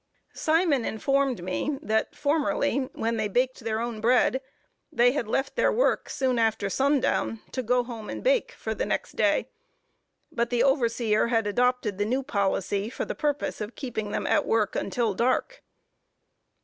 Simon informed me, that formerly, when they baked their own bread, they had left their work soon after sundown, to go home and bake for the next day, but the overseer had adopted the new policy for the purpose of keeping them at work until dark.